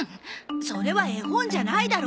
それは絵本じゃないだろ。